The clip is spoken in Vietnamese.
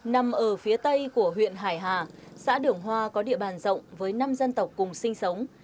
nằm ở phía tây của huyện hải hà xã đường hoa có địa bàn rộng với năm dân tộc cùng sinh sống